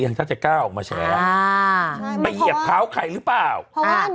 ถ้าจะกล้าออกมาแชว่าอ่าน